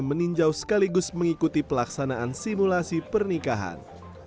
meninjau sekaligus mengikuti pelaksanaan simulasi pernikahan